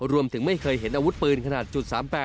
รวมถึงไม่เคยเห็นอาวุธปืนขนาดจุด๓๘